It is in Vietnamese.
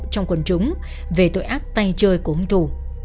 trong quần chúng về tội ác tay chơi của hung thủ